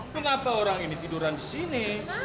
kenapa orang ini tiduran disini